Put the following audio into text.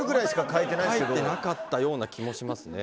書いてなかったような気もしますね。